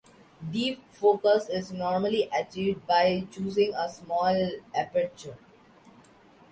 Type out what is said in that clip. Deep focus is normally achieved by choosing a small aperture.